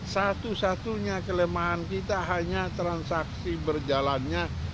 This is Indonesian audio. satu satunya kelemahan kita hanya transaksi berjalannya